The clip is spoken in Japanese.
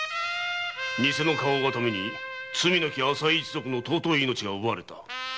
偽の花押がために罪なき朝井一族の尊い命が奪われた。